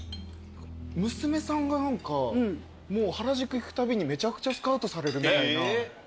娘さんが何かもう原宿行くたびにめちゃくちゃスカウトされるみたいな。